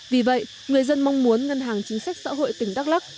vì vậy người dân mong muốn ngân hàng chính sách xã hội tỉnh đắk lắc